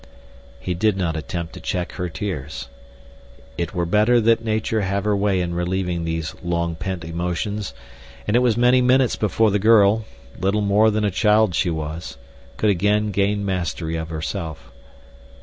He did not attempt to check her tears. It were better that nature have her way in relieving these long pent emotions, and it was many minutes before the girl—little more than a child she was—could again gain mastery of herself.